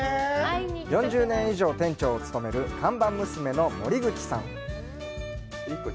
４０年以上店長を務める看板娘の森口さん。